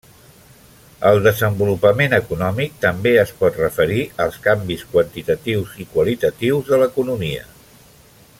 El desenvolupament econòmic també es pot referir als canvis quantitatius i qualitatius de l'economia.